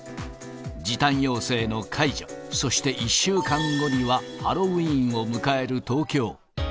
時短要請の解除、そして１週間後にはハロウィーンを迎える東京。